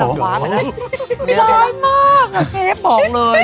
ร้ายมากเชฟบอกเลย